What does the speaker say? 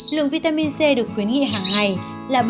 lượng vitamin c được khuyến nghị hàng ngày là